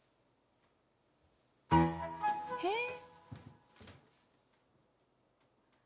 へえ？